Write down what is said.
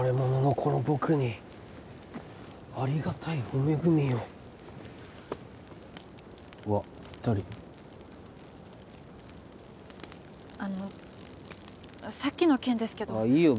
この僕にありがたいお恵みをうわっぴったりあのさっきの件ですけどああいいよ